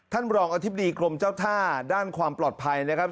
รองอธิบดีกรมเจ้าท่าด้านความปลอดภัยนะครับ